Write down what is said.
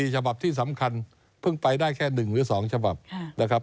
ฉบับที่สำคัญเพิ่งไปได้แค่๑หรือ๒ฉบับนะครับ